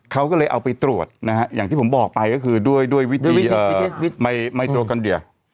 เขาก็เลยเอาไปตรวจนะฮะอย่างที่ผมบอกไปก็คือด้วยวิธีไมโตกันเดีย